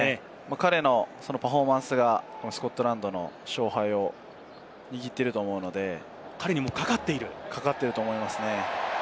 彼のパフォーマンスが、このスコットランドの勝敗を握っていると思うので、彼にかかってると思いますね。